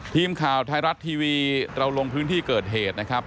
ทีมข่าวไทยรัฐทีวีเราลงพื้นที่เกิดเหตุนะครับ